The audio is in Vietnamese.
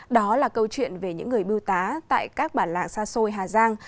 đó là câu chuyện về những người bưu tá tại các bản làng xa xôi hà giang